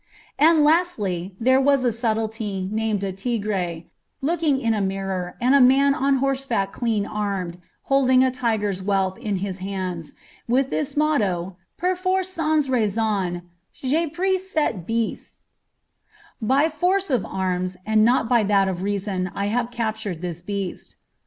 And, lastly, there was a subtlety, named a tigre^ looking in a mirror, •nd a roan on horseback clean annei], holding a tiger's whelp in his hands, with this motto :— Perforce sans reason je prise celte teste: ^ By force of anns, and not by that of reason, have I captured this beast."